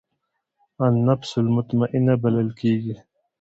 النفس المطمئنه بلل کېږي.